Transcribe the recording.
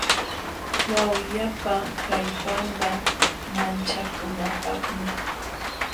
Wawyapa kallpanqa manchakunapaqmi.